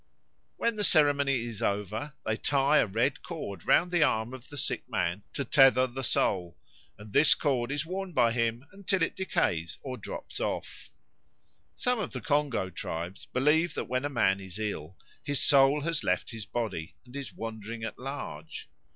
When the ceremony is over, they tie a red cord round the arm of the sick man to tether the soul, and this cord is worn by him until it decays and drops off. Some of the Congo tribes believe that when a man is ill, his soul has left his body and is wandering at large.